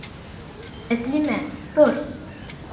Тәслимә, тор!